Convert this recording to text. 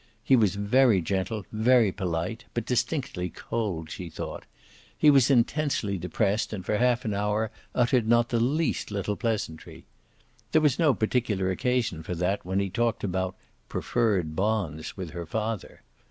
He was very gentle, very polite, but distinctly cold, she thought; he was intensely depressed and for half an hour uttered not the least little pleasantry. There was no particular occasion for that when he talked about "preferred bonds" with her father.